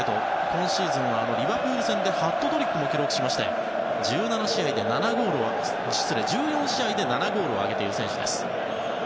今シーズンはリバプール戦でハットトリックも記録しまして１４試合で７ゴールを挙げている選手です。